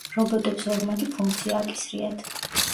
რობოტებს ორმაგი ფუნქცია აკისრიათ.